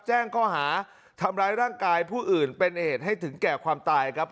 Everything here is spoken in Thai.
แจ้งข้อหาทำร้ายร่างกายผู้อื่นเป็นเหตุให้ถึงแก่ความตายครับ